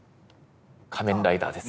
「仮面ライダー」です。